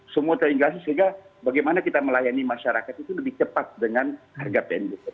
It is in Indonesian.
semua terinflasi sehingga bagaimana kita melayani masyarakat itu lebih cepat dengan harga pendek